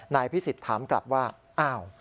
นายพิสิทธิ์ถามกลับว่าอ้าว